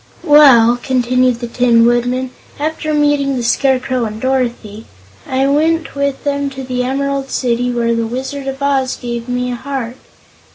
"Well," continued the Tin Woodman, "after meeting the Scarecrow and Dorothy, I went with them to the Emerald City, where the Wizard of Oz gave me a heart.